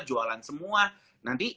jualan semua nanti